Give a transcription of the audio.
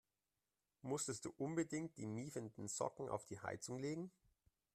Musstest du unbedingt die miefenden Socken auf die Heizung legen?